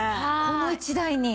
この一台に？